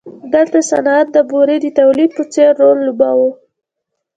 دلته صنعت د بورې د تولید په څېر رول لوباوه.